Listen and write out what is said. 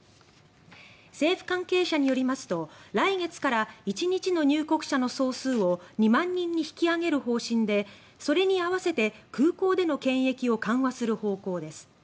政府関係者によりますと来月から１日の入国者の総数を２万人に引き上げる方針でそれに合わせて空港での検疫を緩和する方向です。